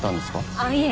あっいえ